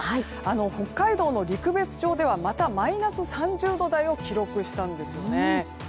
北海道の陸別町ではまたマイナス３０度台を記録したんですよね。